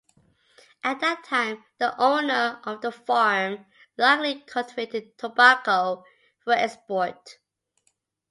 At that time, the owner of the farm likely cultivated tobacco for export.